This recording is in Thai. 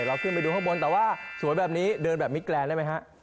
เราขึ้นไปดูข้างบนแต่ว่าสวยแบบนี้เดินแบบมิดแกรนดได้ไหมฮะ